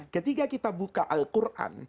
ketika kita buka al quran